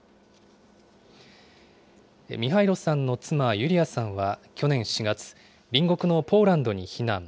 ミハイロさんの妻、ユリアさんは去年４月、隣国のポーランドに避難。